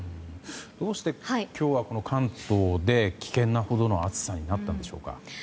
どうして今日は関東で危険なほどの暑さになったんでしょうか。